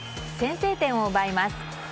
先制点を奪います。